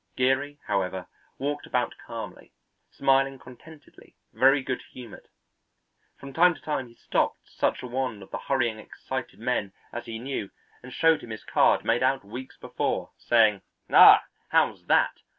Geary, however, walked about calmly, smiling contentedly, very good humoured. From time to time he stopped such a one of the hurrying, excited men as he knew and showed him his card made out weeks before, saying, "Ah, how's that?